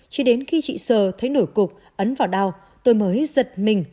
chỉ đến khi chị sơ thấy nổi cục ấn vào đau tôi mới giật mình